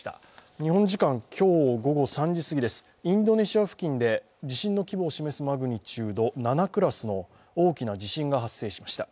日本時間、今日午後３時すぎです、インドネシア付近で地震の規模を示すマグニチュード７クラスの大きな地震が発生しました。